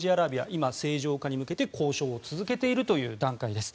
今、正常化に向けて交渉を続けているという段階です。